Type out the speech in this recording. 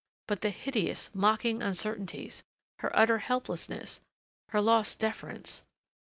But the hideous, mocking uncertainties! Her utter helplessness her lost deference....